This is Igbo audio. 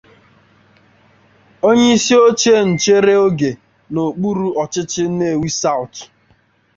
onyeisioche nchere oge n'okpuru ọchịchị Nnewi South